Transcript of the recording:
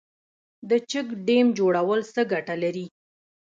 د چک ډیم جوړول څه ګټه لري؟